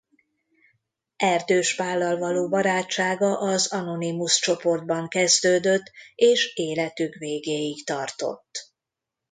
Erdős Pállal való barátsága az Anonymus-csoportban kezdődött és életük végéig tartott.